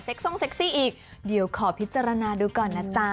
ทรงเซ็กซี่อีกเดี๋ยวขอพิจารณาดูก่อนนะจ๊ะ